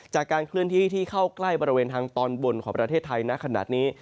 จากการเคลื่อนที่ที่เข้าใกล้บริเวณทางตอนบนของประเทศไทยณขณะนี้